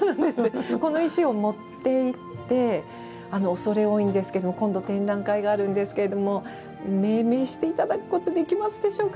この石を持っていって恐れ多いんですけども今度、展覧会があるんですけども命名していただくことできますでしょうか？